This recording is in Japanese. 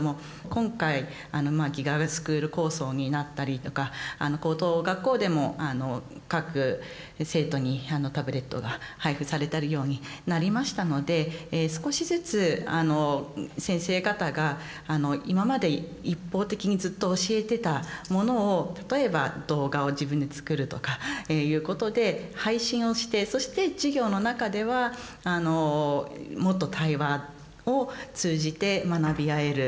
今回ＧＩＧＡスクール構想になったりとか高等学校でも各生徒にタブレットが配付されてるようになりましたので少しずつ先生方が今まで一方的にずっと教えてたものを例えば動画を自分で作るとかいうことで配信をしてそして授業の中ではもっと対話を通じて学び合える。